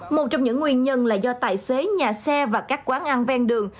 một trong những nguyên nhân là do tài xế nhà xe và các quán ăn ven đường